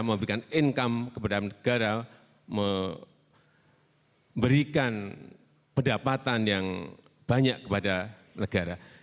memberikan income kepada negara memberikan pendapatan yang banyak kepada negara